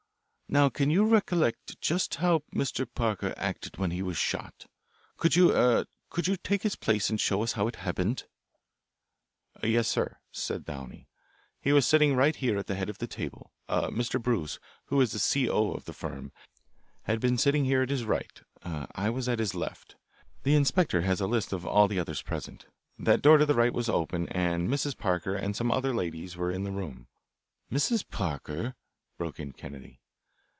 "Now can you recollect just how Mr. Parker acted when he was shot? Could you er could you take his place and show us just how it happened?" "Yes, sir," said Downey. "He was sitting here at the head of the table. Mr. Bruce, who is the 'CO.' of the firm, had been sitting here at his right; I was at the left. The inspector has a list of all the others present. That door to the right was open, and Mrs. Parker and some other ladies were in the room " "Mrs. Parker?" broke in Kennedy.